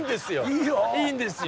いいよ。いいんですよ。